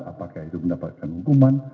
apakah itu mendapatkan hukuman